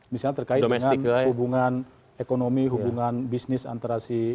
misalnya terkait dengan hubungan ekonomi hubungan bisnis antara si